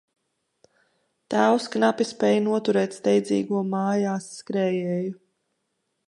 Tēvs knapi spēj noturēt steidzīgo mājās skrējēju.